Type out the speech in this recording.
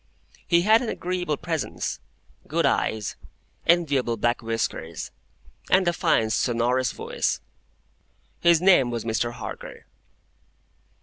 He had an agreeable presence, good eyes, enviable black whiskers, and a fine sonorous voice. His name was Mr. Harker.